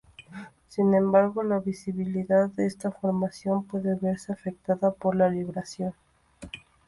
Sin embargo, la visibilidad de esta formación puede verse afectada por la libración.